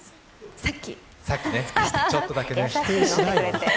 さっき、ちょっとだけ。